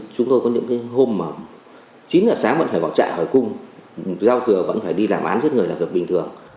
chúng tôi có những hôm mà chín h sáng vẫn phải vào trại hỏi cung giao thừa vẫn phải đi làm án giết người là việc bình thường